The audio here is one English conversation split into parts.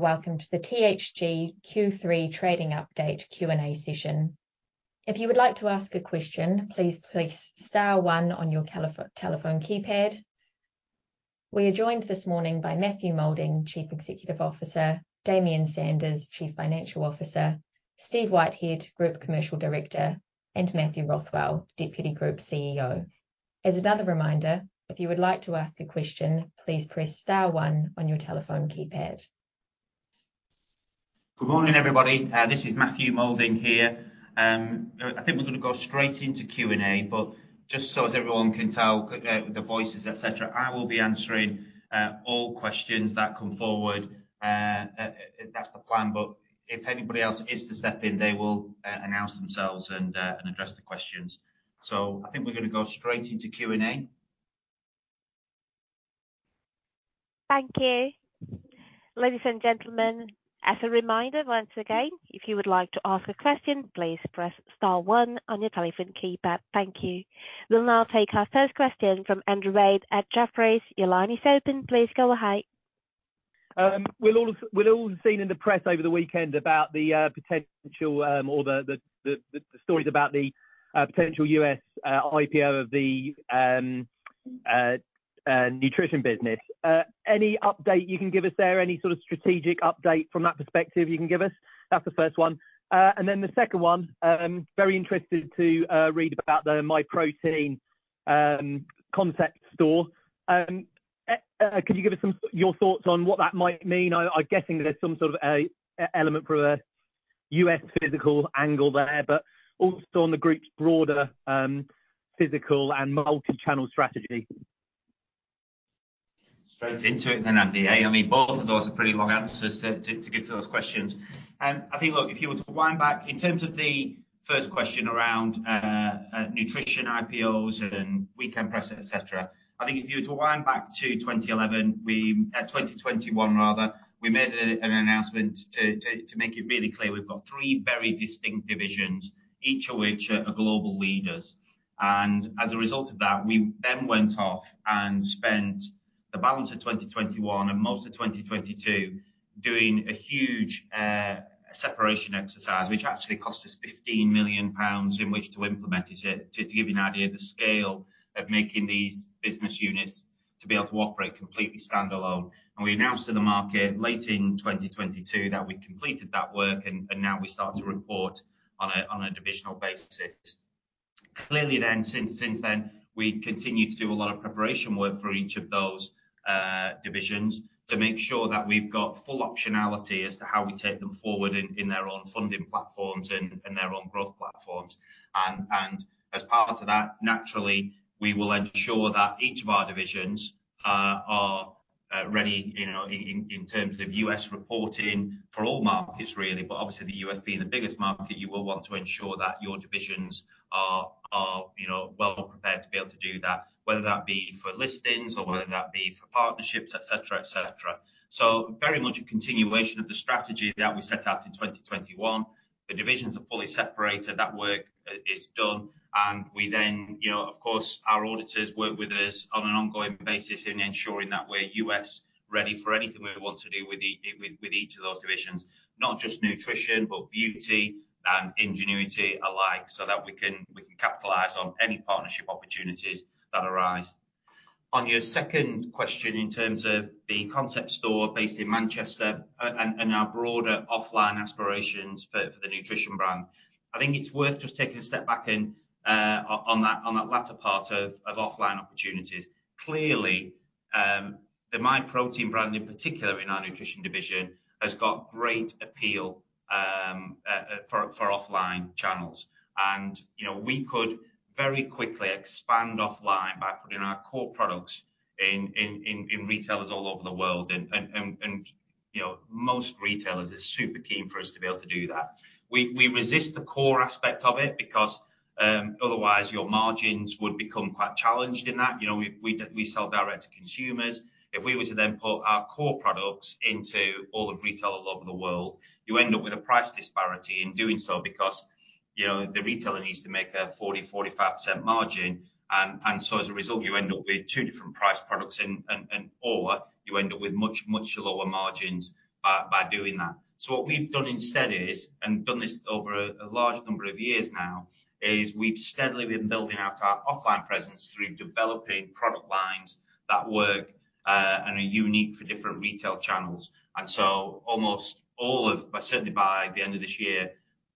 Welcome to the THG Q3 trading update Q&A session. If you would like to ask a question, please press star one on your telephone keypad. We are joined this morning by Matthew Moulding, Chief Executive Officer, Damian Sanders, Chief Financial Officer, Steven Whitehead, Group Commercial Director, and Matthew Rothwell, Deputy Group CEO. As another reminder, if you would like to ask a question, please press star one on your telephone keypad. Good morning, everybody, this is Matthew Moulding here. I think we're gonna go straight into Q&A, but just so as everyone can tell, the voices, et cetera, I will be answering all questions that come forward. That's the plan, but if anybody else is to step in, they will announce themselves and address the questions. So I think we're gonna go straight into Q&A. Thank you. Ladies and gentlemen, as a reminder, once again, if you would like to ask a question, please press star one on your telephone keypad. Thank you. We'll now take our first question from Andrew Wade at Jefferies. Your line is open. Please go ahead. We've all seen in the press over the weekend about the potential or the stories about the potential U.S. IPO of the nutrition business. Any update you can give us there? Any sort of strategic update from that perspective you can give us? That's the first one. And then the second one, very interested to read about the Myprotein concept store. Could you give us some your thoughts on what that might mean? I'm guessing there's some sort of a an element from a U.S. physical angle there, but also on the group's broader physical and multi-channel strategy. Straight into it then, Andy, I mean, both of those are pretty long answers to give to those questions. I think, look, if you were to wind back in terms of the first question around nutrition, IPOs and weekend press, et cetera. I think if you were to wind back to 2011, we... 2021 rather, we made an announcement to make it really clear, we've got three very distinct divisions, each of which are global leaders. And as a result of that, we then went off and spent the balance of 2021 and most of 2022 doing a huge separation exercise, which actually cost us 15 million pounds in which to implement it, to give you an idea of the scale of making these business units to be able to operate completely standalone. We announced to the market late in 2022 that we completed that work and, and now we start to report on a, on a divisional basis. Clearly, then, since, since then, we continued to do a lot of preparation work for each of those, divisions to make sure that we've got full optionality as to how we take them forward in, in their own funding platforms and, and their own growth platforms. And, and as part of that, naturally, we will ensure that each of our divisions, are, ready, you know, in, in, in terms of U.S. reporting for all markets, really, but obviously, the U.S. being the biggest market, you will want to ensure that your divisions are, are, you know, well prepared to be able to do that, whether that be for listings or whether that be for partnerships, et cetera, et cetera. So very much a continuation of the strategy that we set out in 2021. The divisions are fully separated, that work is done, and we then, you know, of course, our auditors work with us on an ongoing basis in ensuring that we're U.S. ready for anything we want to do with each of those divisions, not just nutrition, but beauty and ingenuity alike, so that we can, we can capitalize on any partnership opportunities that arise. On your second question, in terms of the concept store based in Manchester, and our broader offline aspirations for the nutrition brand, I think it's worth just taking a step back and on that latter part of offline opportunities. Clearly, the Myprotein brand, in particular in our nutrition division, has got great appeal for offline channels. And, you know, we could very quickly expand offline by putting our core products in retailers all over the world. And, you know, most retailers are super keen for us to be able to do that. We resist the core aspect of it because, otherwise your margins would become quite challenged in that. You know, we sell direct to consumers. If we were to then put our core products into all the retail all over the world, you end up with a price disparity in doing so, because, you know, the retailer needs to make a 40%-45% margin, and so as a result, you end up with two different price products and, or you end up with much, much lower margins by doing that. So what we've done instead is, and done this over a large number of years now, is we've steadily been building out our offline presence through developing product lines that work, and are unique for different retail channels. And so almost all of, but certainly by the end of this year,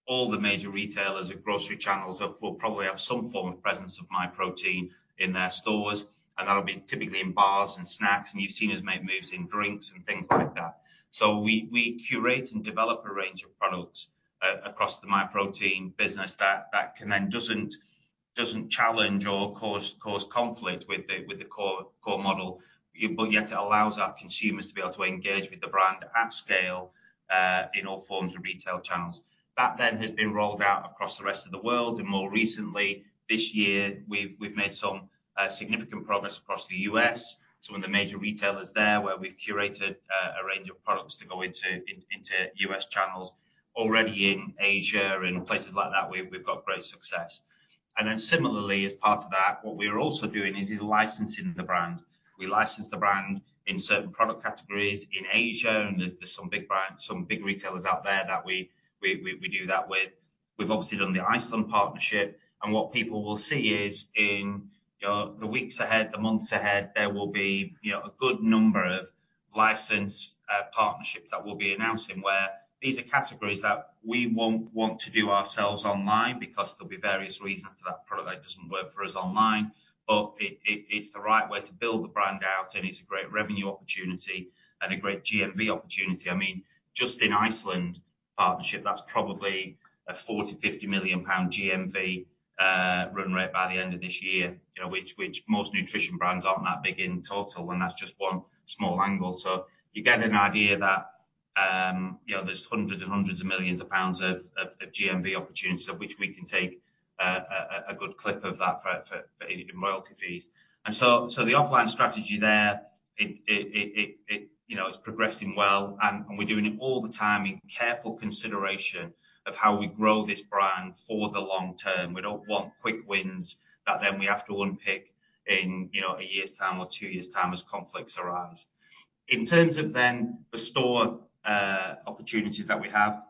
all the major retailers or grocery channels will probably have some form of presence of Myprotein in their stores, and that'll be typically in bars and snacks, and you've seen us make moves in drinks and things like that. So we curate and develop a range of products across the Myprotein business that doesn't challenge or cause conflict with the core model, but yet it allows our consumers to be able to engage with the brand at scale in all forms of retail channels. That then has been rolled out across the rest of the world, and more recently, this year, we've made some significant progress across the U.S., some of the major retailers there, where we've curated a range of products to go into U.S. channels... already in Asia and places like that, we've got great success. And then similarly, as part of that, what we're also doing is licensing the brand. We license the brand in certain product categories in Asia, and there's some big brands, some big retailers out there that we do that with. We've obviously done the Iceland partnership, and what people will see is in, you know, the weeks ahead, the months ahead, there will be, you know, a good number of licensed partnerships that we'll be announcing, where these are categories that we won't want to do ourselves online, because there'll be various reasons for that, product that doesn't work for us online. But it, it's the right way to build the brand out, and it's a great revenue opportunity and a great GMV opportunity. I mean, just in Iceland partnership, that's probably a 40 million-50 million pound GMV run rate by the end of this year, you know, which most nutrition brands aren't that big in total, and that's just one small angle. So you get an idea that, you know, there's hundreds and hundreds of millions of GBP of GMV opportunities, of which we can take a good clip of that for in royalty fees. And so the offline strategy there, it you know, it's progressing well, and we're doing it all the time in careful consideration of how we grow this brand for the long term. We don't want quick wins that then we have to unpick in, you know, a year's time or two years' time as conflicts arise. In terms of then the store opportunities that we have,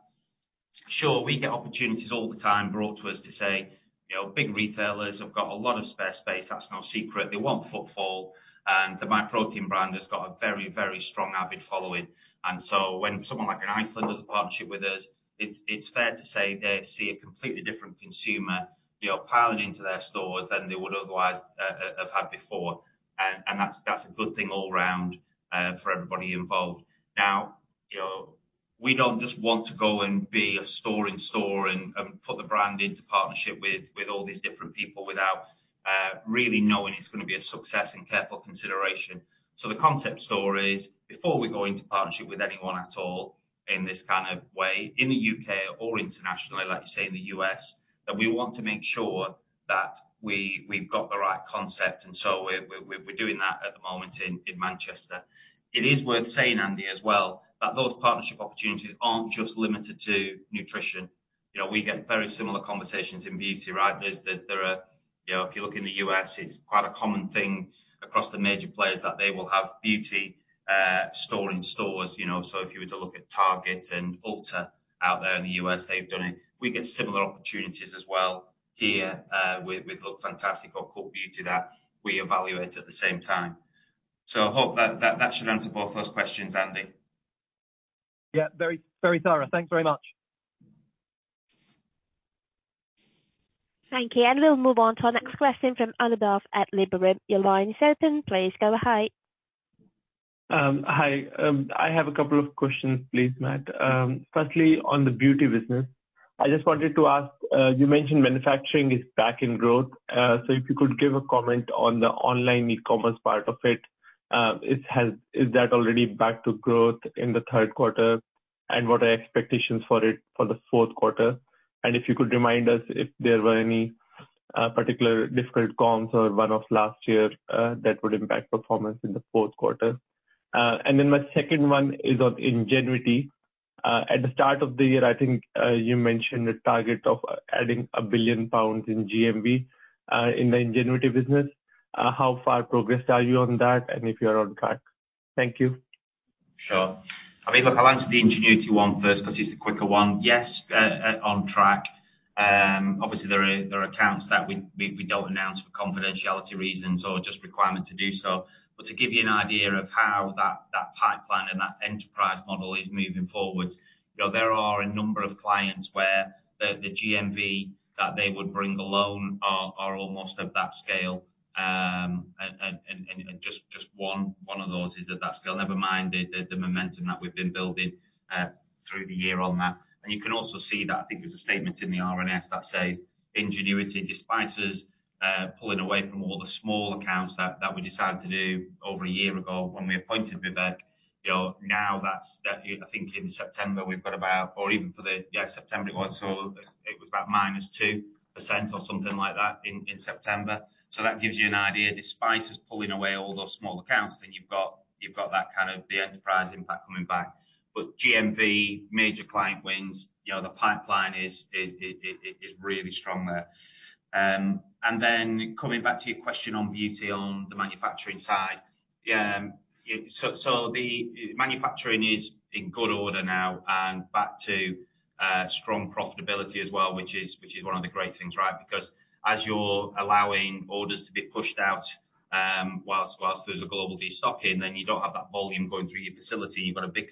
sure, we get opportunities all the time brought to us to say, you know, big retailers have got a lot of spare space, that's no secret, they want footfall, and the Myprotein brand has got a very, very strong, avid following. And so when someone like an Iceland does a partnership with us, it's fair to say they see a completely different consumer, you know, piling into their stores than they would otherwise have had before, and that's a good thing all around for everybody involved. Now, you know, we don't just want to go and be a store-in-store and put the brand into partnership with all these different people without really knowing it's gonna be a success and careful consideration. So the concept store is, before we go into partnership with anyone at all in this kind of way, in the U.K. or internationally, like you say, in the U.S., that we want to make sure that we've got the right concept, and so we're doing that at the moment in Manchester. It is worth saying, Andy, as well, that those partnership opportunities aren't just limited to nutrition. You know, we get very similar conversations in beauty, right? There are... You know, if you look in the U.S., it's quite a common thing across the major players that they will have beauty store-in-stores, you know. So if you were to look at Target and Ulta out there in the U.S., they've done it. We get similar opportunities as well here, with Lookfantastic or Cult Beauty that we evaluate at the same time. So I hope that should answer both those questions, Andy. Yeah, very, very thorough. Thanks very much. Thank you, and we'll move on to our next question from Anubhav at Liberum. Your line is open. Please go ahead. Hi. I have a couple of questions, please, Matt. Firstly, on the beauty business, I just wanted to ask, you mentioned manufacturing is back in growth, so if you could give a comment on the online e-commerce part of it, is that already back to growth in the third quarter? And what are expectations for it for the fourth quarter? And if you could remind us if there were any particular difficult comps or one-offs last year that would impact performance in the fourth quarter. And then my second one is on Ingenuity. At the start of the year, I think you mentioned a target of adding 1 billion pounds in GMV in the Ingenuity business. How far progressed are you on that, and if you're on track? Thank you. Sure. I mean, look, I'll answer the Ingenuity one first, because it's the quicker one. Yes, on track, obviously, there are accounts that we don't announce for confidentiality reasons or just requirement to do so. But to give you an idea of how that pipeline and that enterprise model is moving forward, you know, there are a number of clients where the GMV that they would bring alone are almost of that scale. And just one of those is of that scale, never mind the momentum that we've been building through the year on that. You can also see that, I think there's a statement in the RNS that says, Ingenuity, despite us pulling away from all the small accounts that we decided to do over a year ago when we appointed Vivek, you know, now that's, I think in September, we've got about minus 2% or something like that in September. So that gives you an idea, despite us pulling away all those small accounts, then you've got that kind of the enterprise impact coming back. But GMV, major client wins, you know, the pipeline is really strong there. And then coming back to your question on beauty, on the manufacturing side, so the manufacturing is in good order now and back to strong profitability as well, which is one of the great things, right? Because as you're allowing orders to be pushed out, whilst there's a global destocking, then you don't have that volume going through your facility. You've got a big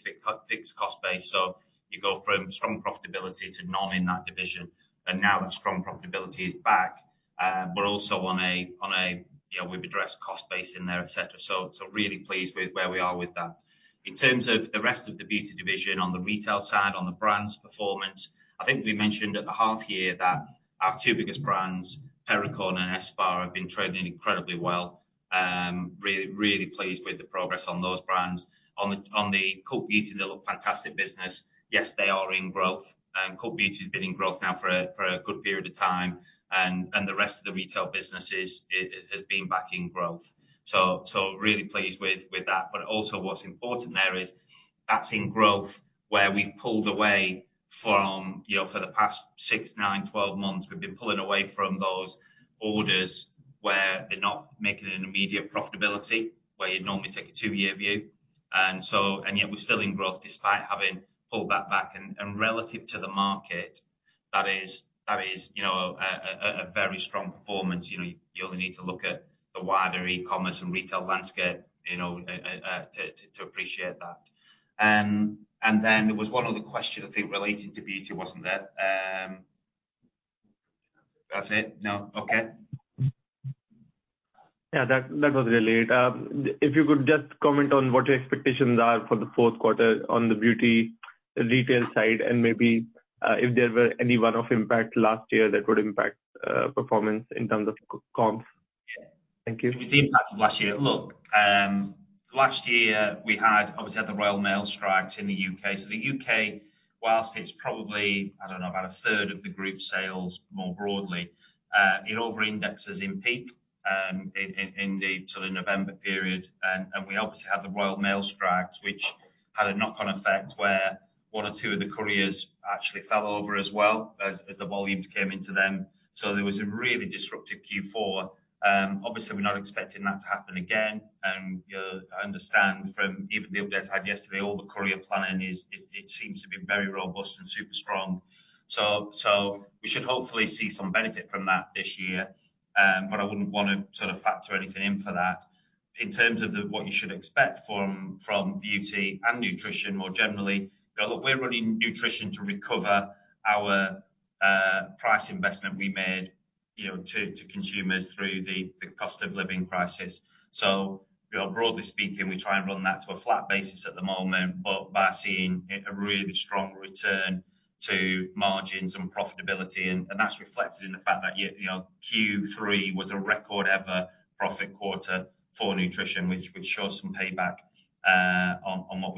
fixed cost base, so you go from strong profitability to none in that division. But now that strong profitability is back, we're also on a, you know, we've addressed cost base in there, et cetera. So really pleased with where we are with that. In terms of the rest of the beauty division, on the retail side, on the brands' performance, I think we mentioned at the half year that our two biggest brands, Perricone and ESPA, have been trading incredibly well. Really, really pleased with the progress on those brands. On the Cult Beauty, the Lookfantastic business, yes, they are in growth, and Cult Beauty has been in growth now for a good period of time, and the rest of the retail businesses has been back in growth. So, really pleased with that. But also what's important there is that's in growth, where we've pulled away from, you know, for the past six, nine, twelve months, we've been pulling away from those orders where they're not making an immediate profitability, where you'd normally take a two-year view. And yet we're still in growth despite having pulled that back. And relative to the market, that is, you know, a very strong performance. You know, you only need to look at the wider e-commerce and retail landscape, you know, to appreciate that. And then there was one other question, I think, related to beauty, wasn't there? That's it? No. Okay. Yeah, that, that was related. If you could just comment on what your expectations are for the fourth quarter on the beauty retail side and maybe, if there were any one-off impact last year that would impact, performance in terms of comp? Thank you. We've seen that last year. Look, last year, we had obviously had the Royal Mail strikes in the UK. So the UK, while it's probably, I don't know, about a third of the group sales more broadly, it over indexes in peak, in the sort of November period. And we obviously had the Royal Mail strikes, which had a knock-on effect, where one or two of the couriers actually fell over as well as the volumes came into them. So there was a really disruptive Q4. Obviously, we're not expecting that to happen again. You know, I understand from even the update I had yesterday, all the courier planning seems to be very robust and super strong. So we should hopefully see some benefit from that this year. But I wouldn't wanna sort of factor anything in for that. In terms of what you should expect from beauty and nutrition, more generally, you know, look, we're running nutrition to recover our price investment we made, you know, to consumers through the cost of living crisis. So, you know, broadly speaking, we try and run that to a flat basis at the moment, but by seeing a really strong return to margins and profitability, and that's reflected in the fact that you know, Q3 was a record ever profit quarter for nutrition, which shows some payback on what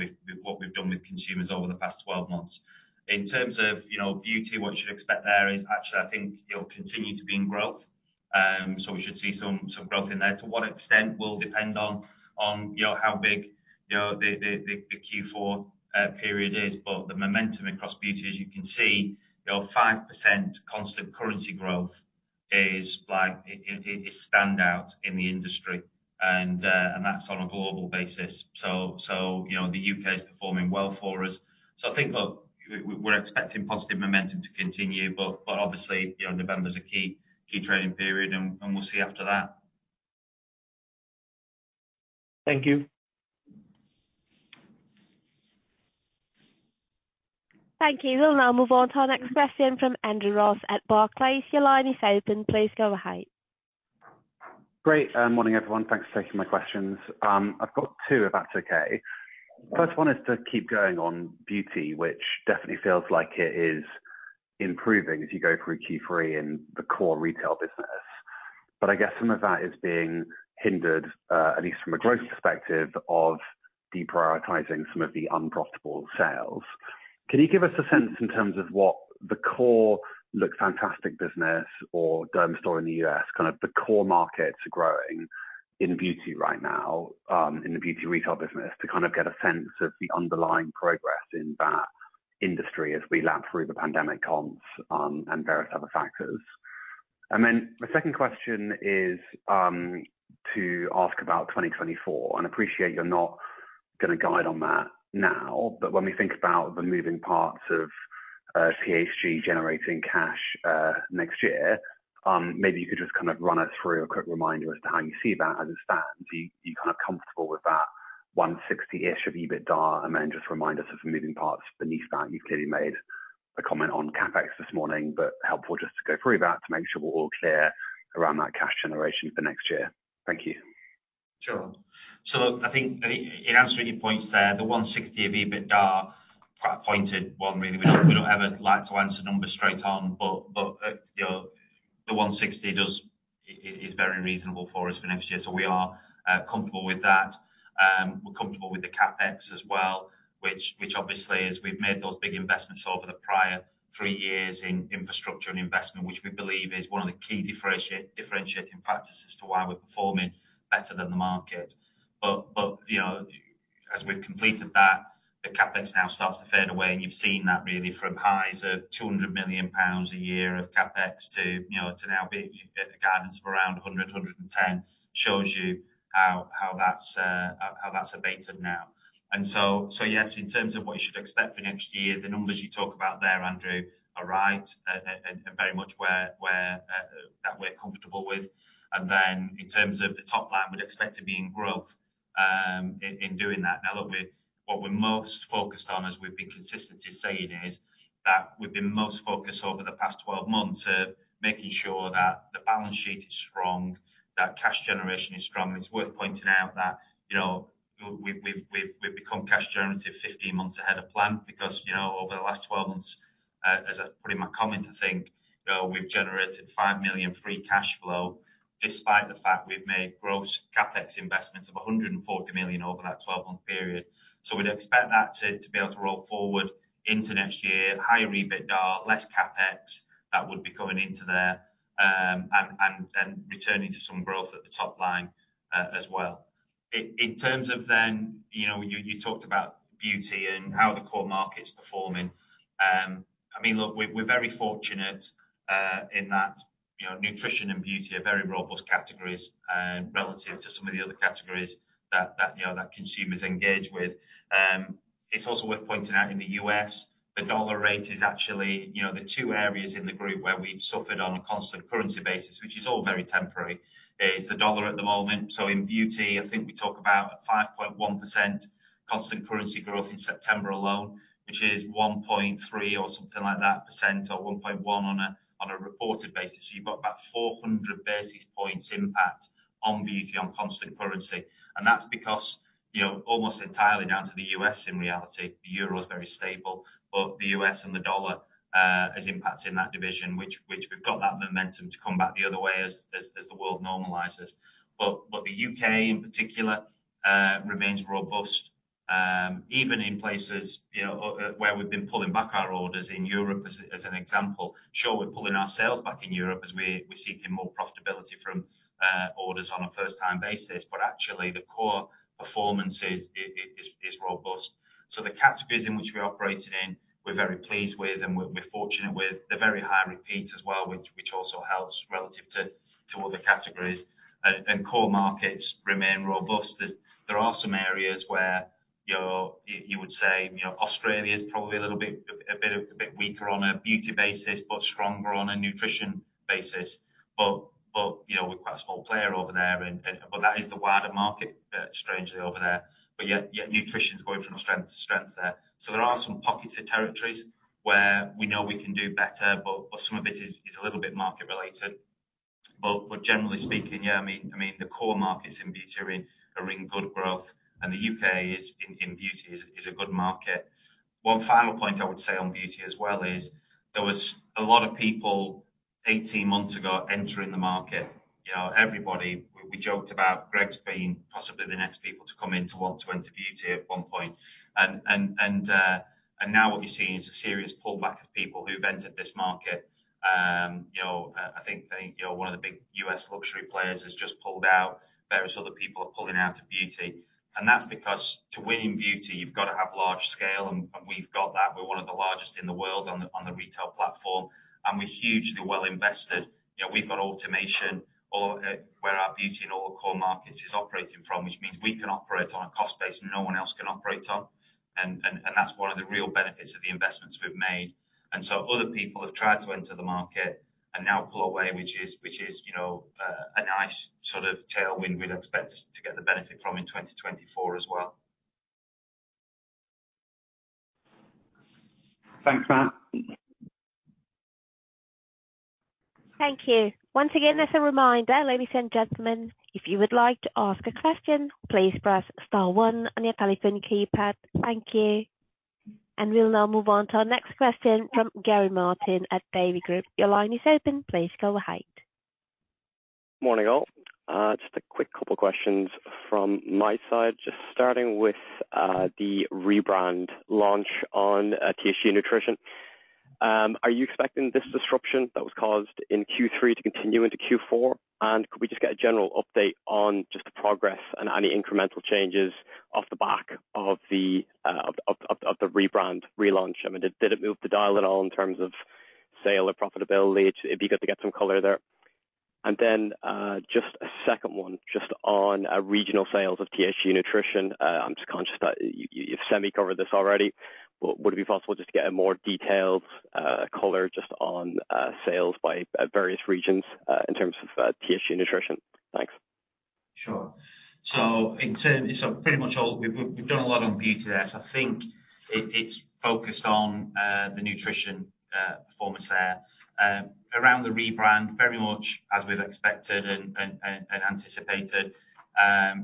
we've done with consumers over the past 12 months. In terms of, you know, beauty, what you should expect there is actually, I think, it'll continue to be in growth. So we should see some growth in there. To what extent will depend on, you know, how big, you know, the Q4 period is. But the momentum across beauty, as you can see, you know, 5% constant currency growth is like... It is standout in the industry, and that's on a global basis. So, you know, the UK is performing well for us. So I think, look, we're expecting positive momentum to continue, but obviously, you know, November is a key trading period, and we'll see after that. Thank you. Thank you. We'll now move on to our next question from Andrew Ross at Barclays. Your line is open. Please go ahead. Great, morning, everyone. Thanks for taking my questions. I've got two, if that's okay. Yeah. First one is to keep going on beauty, which definitely feels like it is improving as you go through Q3 in the core retail business. But I guess some of that is being hindered, at least from a growth perspective of deprioritizing some of the unprofitable sales. Can you give us a sense in terms of what the core Lookfantastic business or Dermstore in the U.S., kind of the core markets growing in beauty right now, in the beauty retail business, to kind of get a sense of the underlying progress in that industry as we lap through the pandemic comps, and various other factors? And then my second question is, to ask about 2024. I appreciate you're not gonna guide on that now, but when we think about the moving parts of, THG generating cash, next year, maybe you could just kind of run us through a quick reminder as to how you see that as it stands. Are you, you kind of comfortable with that 160-ish EBITDA? And then just remind us of the moving parts beneath that. You've clearly made a comment on CapEx this morning, but helpful just to go through that to make sure we're all clear around that cash generation for next year. Thank you. Sure. So look, I think in answering your points there, the 160 of EBITDA, quite a pointed one, really. We don't, we don't ever like to answer numbers straight on, but, but, you know, the 160 does, is very reasonable for us for next year, so we are comfortable with that. We're comfortable with the CapEx as well, which, which obviously, as we've made those big investments over the prior three years in infrastructure and investment, which we believe is one of the key differentiating factors as to why we're performing better than the market. But, you know, as we've completed that, the CapEx now starts to fade away, and you've seen that really from highs of 200 million pounds a year of CapEx to, you know, to now be at a guidance of around 100 million-110 million. This shows you how that's abated now. So yes, in terms of what you should expect for next year, the numbers you talk about there, Andrew, are right, and very much where that we're comfortable with. And then in terms of the top line, we'd expect to be in growth in doing that. Now, look, what we're most focused on, as we've been consistently saying, is that we've been most focused over the past 12 months of making sure that the balance sheet is strong, that cash generation is strong. It's worth pointing out that, you know, we've become cash generative 15 months ahead of plan because, you know, over the last 12 months, as I put in my comment, I think, you know, we've generated 5 million free cash flow despite the fact we've made gross CapEx investments of 140 million over that 12-month period. So we'd expect that to be able to roll forward into next year, higher EBITDA, less CapEx... that would be going into there, and returning to some growth at the top line, as well. In terms of then, you know, you talked about beauty and how the core market's performing. I mean, look, we're very fortunate, in that, you know, nutrition and beauty are very robust categories, relative to some of the other categories that, you know, consumers engage with. It's also worth pointing out, in the US, the dollar rate is actually, you know, the two areas in the group where we've suffered on a constant currency basis, which is all very temporary, is the dollar at the moment. So in beauty, I think we talk about a 5.1% constant currency growth in September alone, which is 1.3 or something like that, percent, or 1.1 on a, on a reported basis. So you've got about 400 basis points impact on beauty on constant currency, and that's because, you know, almost entirely down to the US in reality. The euro is very stable, but the U.S. and the dollar has impacted in that division, which we've got that momentum to come back the other way as the world normalizes. But the U.K., in particular, remains robust, even in places, you know, where we've been pulling back our orders in Europe as an example. Sure, we're pulling our sales back in Europe as we're seeking more profitability from orders on a first-time basis, but actually, the core performance is robust. So the categories in which we operated in, we're very pleased with, and we're fortunate with. They're very high repeat as well, which also helps relative to other categories. And core markets remain robust. There are some areas where your... You would say, you know, Australia's probably a little bit weaker on a beauty basis, but stronger on a nutrition basis. But you know, we're quite a small player over there, and... But that is the wider market, strangely over there. But yet nutrition is going from strength to strength there. So there are some pockets of territories where we know we can do better, but some of it is a little bit market related. But generally speaking, yeah, I mean, the core markets in beauty are in good growth, and the U.K. in beauty is a good market. One final point I would say on beauty as well is, there was a lot of people 18 months ago entering the market. You know, everybody... We joked about Greggs being possibly the next people to come in to want to enter beauty at one point. Now what you're seeing is a serious pullback of people who've entered this market. You know, I think one of the big US luxury players has just pulled out. Various other people are pulling out of beauty, and that's because to win in beauty, you've got to have large scale, and we've got that. We're one of the largest in the world on the retail platform, and we're hugely well invested. You know, we've got automation all where our beauty and all the core markets is operating from, which means we can operate on a cost base no one else can operate on. And that's one of the real benefits of the investments we've made. And so other people have tried to enter the market and now pull away, which is, you know, a nice sort of tailwind we'd expect to get the benefit from in 2024 as well. Thanks, Matt. Thank you. Once again, as a reminder, ladies and gentlemen, if you would like to ask a question, please press star one on your telephone keypad. Thank you. And we'll now move on to our next question from Gary Martin at Davy Group. Your line is open. Please go ahead. Morning, all. Just a quick couple questions from my side. Just starting with the rebrand launch on THG Nutrition. Are you expecting this disruption that was caused in Q3 to continue into Q4? And could we just get a general update on just the progress and any incremental changes off the back of the rebrand relaunch? I mean, did it move the dial at all in terms of sale or profitability? It'd be good to get some color there. And then just a second one, just on regional sales of THG Nutrition. I'm just conscious that you've semi-covered this already, but would it be possible just to get a more detailed color just on sales by various regions in terms of THG Nutrition? Thanks. Sure. So pretty much all, we've done a lot on beauty there. So I think it's focused on the nutrition performance there. Around the rebrand, very much as we've expected and anticipated,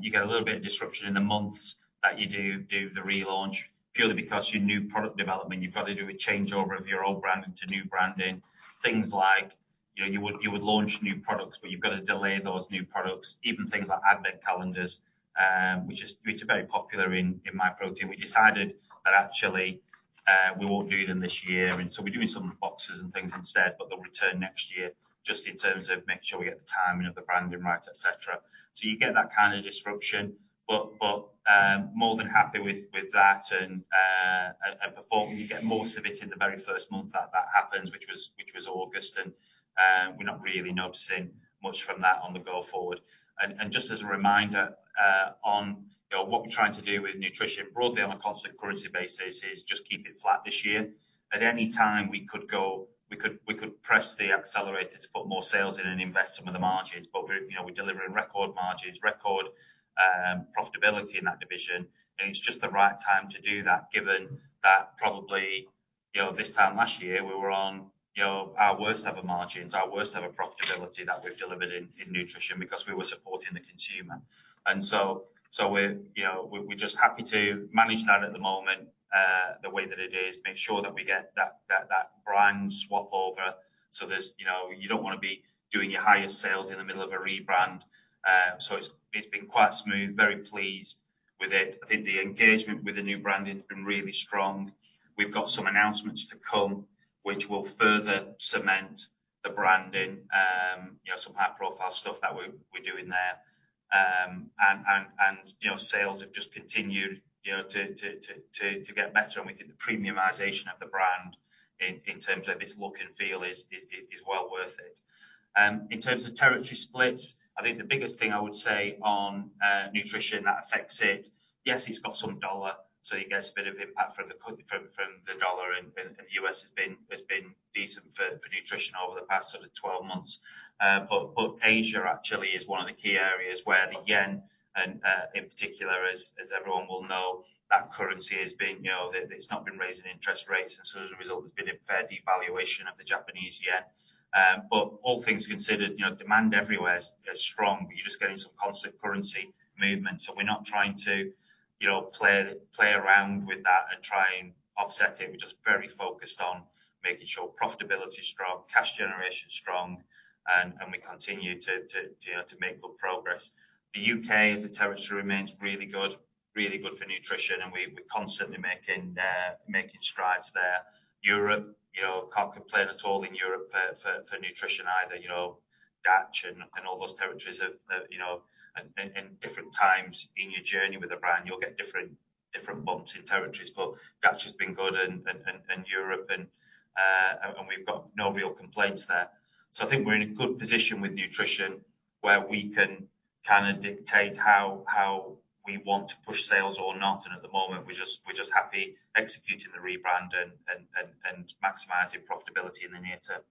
you get a little bit of disruption in the months that you do the relaunch, purely because your new product development, you've got to do a changeover of your old branding to new branding. Things like, you know, you would launch new products, but you've got to delay those new products, even things like Advent calendars, which are very popular in Myprotein. We decided that actually, we won't do them this year, and so we're doing some boxes and things instead, but they'll return next year just in terms of making sure we get the timing of the branding right, et cetera. So you get that kind of disruption, but more than happy with that and a performance. You get most of it in the very first month that that happens, which was August, and we're not really noticing much from that on the go forward. And just as a reminder, on, you know, what we're trying to do with nutrition broadly on a constant currency basis is just keep it flat this year. At any time, we could go... We could, we could press the accelerator to put more sales in and invest some of the margins, but we're, you know, we're delivering record margins, record profitability in that division, and it's just the right time to do that, given that probably, you know, this time last year, we were on, you know, our worst ever margins, our worst ever profitability that we've delivered in nutrition because we were supporting the consumer. And so, so we're, you know, we're just happy to manage that at the moment, the way that it is. Make sure that we get that brand swap over, so there's, you know, you don't wanna be doing your highest sales in the middle of a rebrand. So it's been quite smooth, very pleased with it. I think the engagement with the new branding has been really strong. We've got some announcements to come, which will further cement the branding. You know, some high-profile stuff that we're doing there. And you know, sales have just continued you know to get better, and we think the premiumization of the brand in terms of its look and feel is well worth it. In terms of territory splits, I think the biggest thing I would say on nutrition that affects it, yes, it's got some dollar, so you get a bit of impact from the dollar, and the U.S. has been decent for nutrition over the past sort of 12 months. But Asia actually is one of the key areas where the yen, and in particular, as everyone will know, that currency has been, you know, it, it's not been raising interest rates, and so as a result, there's been a fair devaluation of the Japanese yen. But all things considered, you know, demand everywhere is strong. You're just getting some constant currency movement, so we're not trying to, you know, play around with that and try and offset it. We're just very focused on making sure profitability is strong, cash generation is strong, and we continue to, you know, make good progress. The UK, as a territory, remains really good, really good for nutrition, and we're constantly making strides there. Europe, you know, can't complain at all in Europe for nutrition either, you know. Dutch and all those territories have, you know, different times in your journey with the brand, you'll get different bumps in territories, but Dutch has been good in Europe, and we've got no real complaints there. So I think we're in a good position with nutrition, where we can kinda dictate how we want to push sales or not, and at the moment, we're just happy executing the rebrand and maximizing profitability in the near term.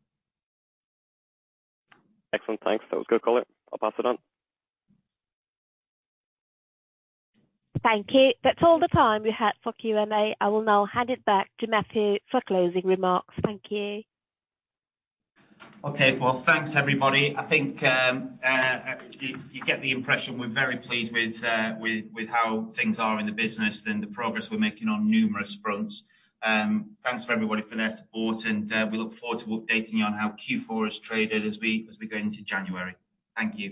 Excellent. Thanks. That was a good call. I'll pass it on. Thank you. That's all the time we have for Q&A. I will now hand it back to Matthew for closing remarks. Thank you. Okay. Well, thanks, everybody. I think you get the impression we're very pleased with how things are in the business and the progress we're making on numerous fronts. Thanks for everybody for their support, and we look forward to updating you on how Q4 has traded as we go into January. Thank you.